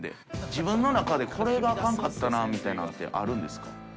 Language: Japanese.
自分中で、これがあかんかったなみたいのってあるんですか？